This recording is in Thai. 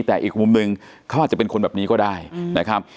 แต่อีกมุมนึงเขาอาจจะเป็นคนแบบนี้ก็ได้นะครับ